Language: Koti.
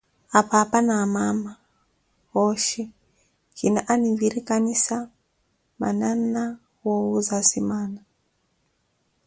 Apaapa na amaana cooxhi kiina anvirikanisa mananna woowuza asimaana.